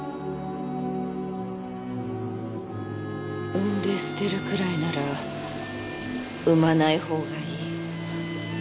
「産んで捨てるぐらいなら産まない方がいい」